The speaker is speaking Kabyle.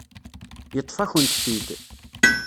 Yeṭṭef-akent-t-id.